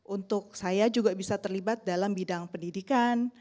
untuk saya juga bisa terlibat dalam bidang pendidikan